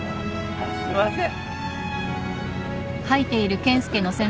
すいません。